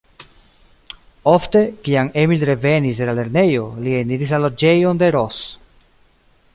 Ofte, kiam Emil revenis de la lernejo, li eniris la loĝejon de Ros.